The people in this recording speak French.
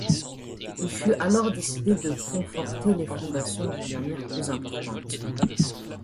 Il fut alors décidé de conforter les fondations d’une manière plus importante.